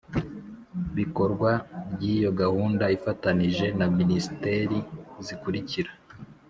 Bikorwa ry iyo gahunda ifatanyije na minisiteri zikurikira